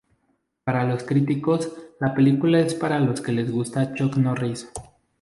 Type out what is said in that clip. Para los críticos la película es para los que les gusta Chuck Norris.